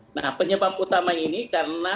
nah penyebab utama ini karena